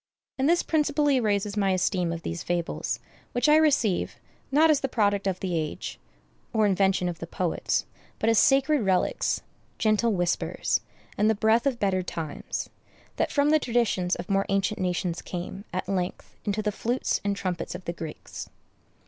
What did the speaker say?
And this principally raises my esteem of these fables, which I receive, not as the product of the age, or invention of the poets, but as sacred relics, gentle whispers, and the breath of better times, that from the traditions of more ancient nations came, at length, into the flutes and trumpets of the Greeks.